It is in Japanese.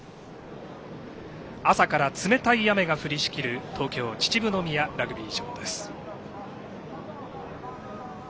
朝から冷たい雨が降りしきる東京・秩父宮ラグビー場です。